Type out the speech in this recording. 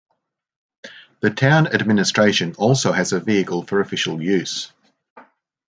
The town administration also has a vehicle for official use.